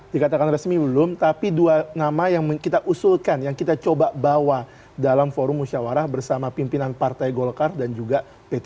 dikatakan resmi belum tapi dua nama yang kita usulkan yang kita coba bawa dalam forum musyawarah bersama pimpinan partai golkar dan juga p tiga